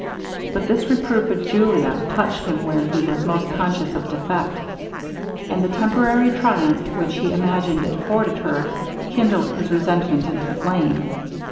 But this reproof of Julia touched him where he was most conscious of defect; and the temporary triumph which he imagined it afforded her, kindled his resentment into flame.